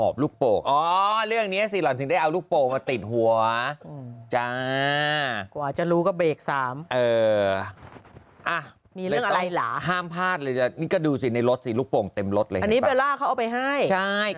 เบลล่าเขาเอาไปให้